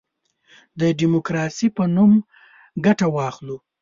د ډیموکراسی په نوم ګټه واخلو.